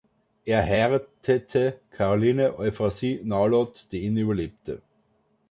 Er heiratete Caroline Euphrasie Naulot, die ihn überlebte.